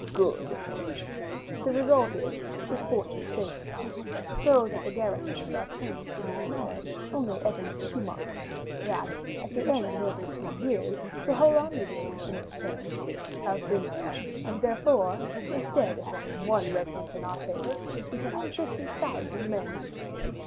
"Good." "The result is, if Fortune favors us, so that the garrisons are changed in this manner, only every two months, that, at the end of every three years, the whole army will, in its turn, have been there; and, therefore, instead of having one regiment in our favor, we shall have fifty thousand men."